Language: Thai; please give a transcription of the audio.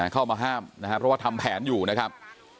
เข้ามาห้ามนะครับเพราะว่าทำแผนอยู่นะครับ